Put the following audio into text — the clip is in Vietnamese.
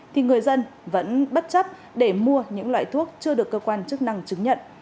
thì người dân vẫn bất chấp để mua những loại thuốc chưa được cơ quan chức năng chứng nhận